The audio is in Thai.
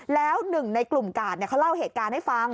แล้วหนึ่งในกลุ่มกาดเขาเล่าเหตุการณ์ให้ฟัง